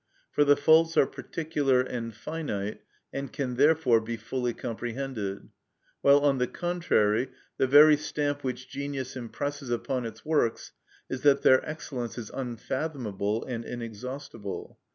For the faults are particular and finite, and can therefore be fully comprehended; while, on the contrary, the very stamp which genius impresses upon its works is that their excellence is unfathomable and inexhaustible.